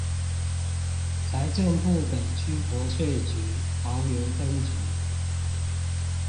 財政部北區國稅局桃園分局